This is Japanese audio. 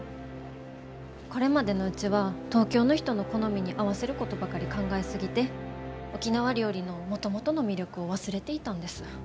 これまでのうちは東京の人の好みに合わせることばかり考え過ぎて沖縄料理のもともとの魅力を忘れていたんです。